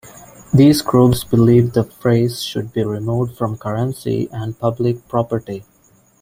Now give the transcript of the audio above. These groups believe the phrase should be removed from currency and public property.